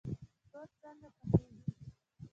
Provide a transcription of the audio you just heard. توت څنګه پخیږي؟